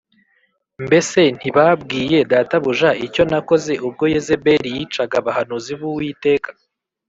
Mbese ntibabwiye databuja icyo nakoze ubwo Yezebeli yicaga abahanuzi b’Uwiteka